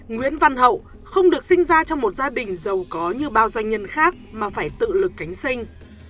nguyễn văn hậu không được sinh ra trong một gia đình giàu có như bao doanh nhân khác mà phải tự lực cánh sinh